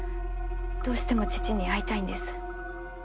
どうしても父に会いたいんです。